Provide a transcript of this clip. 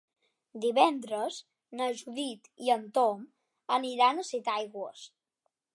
Divendres na Judit i en Tom aniran a Setaigües.